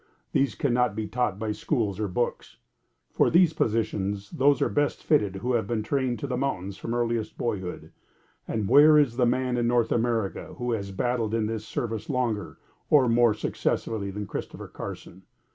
These cannot be taught by schools or books. For these positions those are best fitted who have been trained to the mountains from earliest boyhood, and where is the man in North America who has battled in this service longer or more successfully than Christopher Carson?